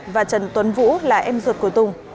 và trần tuấn vũ là em ruột của tùng